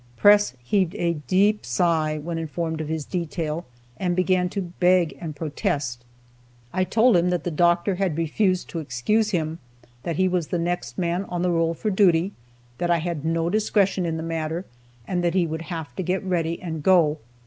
Press heaved a deep sigh when informed of his detail, and began to beg and protest. I told him that the doctor had refused to excuse him, that he was the next man on the roll for duty, that I had no discretion in the matter, and he would have to get ready and go.